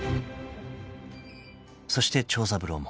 ［そして長三郎も］